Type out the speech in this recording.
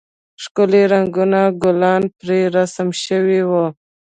ښکلي رنگه گلان پرې رسم سوي وو.